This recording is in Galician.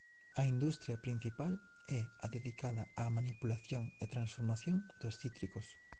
A industria principal é a dedicada á manipulación e transformación de cítricos.